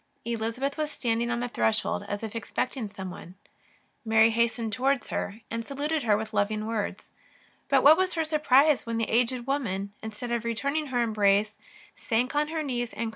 Elizabeth was standing on the threshold as if expect ing someone. Mary hastened towards her, and saluted her with loving words. But what was her surprise when the aged woman, instead of returning her embrace, sank on her knees and cried out: 66 THE NSWYOrF ■■''X AND ■ ■'•vrj^Tir